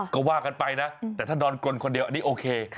ก็ว่ากันไปนะแต่ถ้านอนกลนคนเดียวอันนี้โอเค